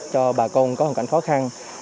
cho bà con có hoàn cảnh khó khăn